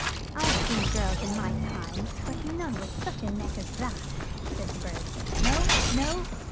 "I've seen girls in my time, but none with such a neck as that!" said the bird. "No! no!